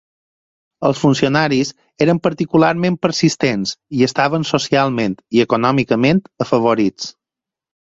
Els funcionaris eren particularment persistents i estaven socialment i econòmicament afavorits.